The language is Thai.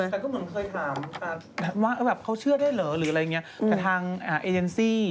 แต่ก็เหมือนเคยถามว่าเขาเชื่อได้เหรอหรืออะไรอย่างนี้